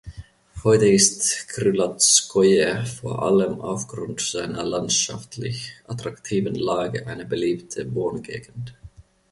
Heute ist Krylatskoje vor allem aufgrund seiner landschaftlich attraktiven Lage eine beliebte Wohngegend.